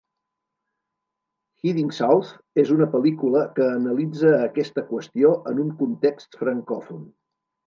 "Heading South" és una pel·lícula que analitza aquesta qüestió en un context francòfon.